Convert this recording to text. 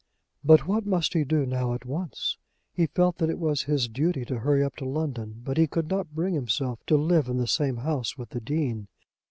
But what must he do now at once? He felt that it was his duty to hurry up to London, but he could not bring himself to live in the same house with the Dean.